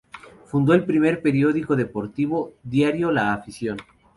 Fundó el primer periódico deportivo diario, La Afición.